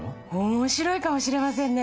面白いかもしれませんね。